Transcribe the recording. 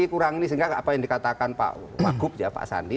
kurang ini sehingga apa yang dikatakan pak wagup ya pak sandi